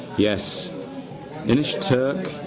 Yes. Inishturk.